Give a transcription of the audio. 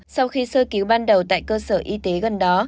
sau khi sơ cứu ban đầu tại cơ sở y tế gần đó